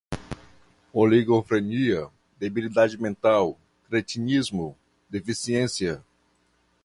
oligofrenia, debilidade mental, cretinismo, deficiência